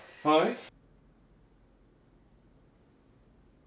はい。